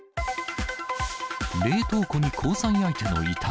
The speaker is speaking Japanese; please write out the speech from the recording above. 冷凍庫に交際相手の遺体。